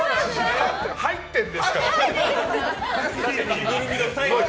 入ってるんですから。